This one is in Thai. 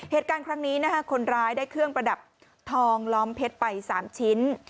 เหตุการณ์ครั้งนี้คนร้ายได้เครื่องประดับทองล้อมเพชรไป๓ชิ้น